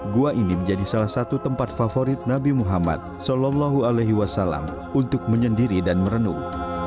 gua ini menjadi salah satu tempat favorit nabi muhammad saw untuk menyendiri dan merenung